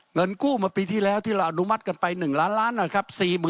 เงินกู้เมื่อปีที่แล้วที่เราอนุมัติกันไป๑ล้านล้านนะครับ